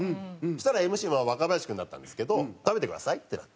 そしたらＭＣは若林君だったんですけど「食べてください」ってなって。